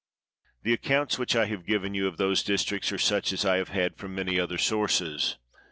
The accounts which I have given you of those districts are such as I have had from many other sources.